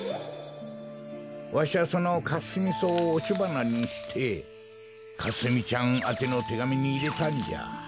わしはそのカスミソウをおしばなにしてかすみちゃんあてのてがみにいれたんじゃ。